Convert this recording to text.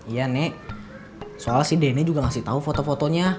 iya nek soal sd ne juga ngasih tau foto fotonya